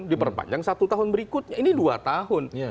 diperpanjang satu tahun berikutnya ini dua tahun